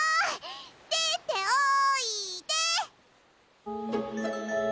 でっておいで！